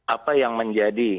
apa yang menjadi